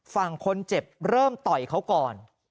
ฝั่งคนเจ็บเริ่มต่อยเขาก่อน